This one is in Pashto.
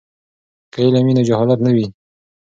که علم وي نو جهالت نه وي.